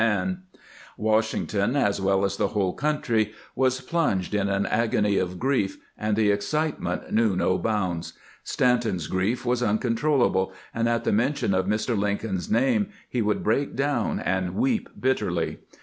LINCOLN'S ASSASSlNATlOff 501 Washington, as well as the whole country, was plunged in an agony of grief, and the excitement knew no bounds. Stanton's grief was uncontrollable, and at the mention of Mr. Lincoln's name he would break down and weep bitterly.